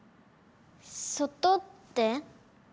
外って？